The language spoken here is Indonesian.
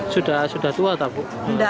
sudah tua atau apa